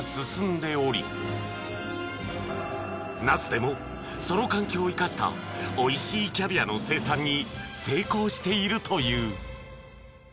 ［那須でもその環境を生かしたおいしいキャビアの生産に成功しているという］